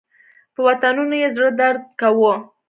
په وطنونو یې زړه درد کاوه.